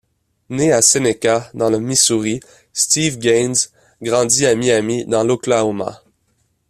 Né à Seneca, dans le Missouri, Steve Gaines grandit à Miami, dans l'Oklahoma.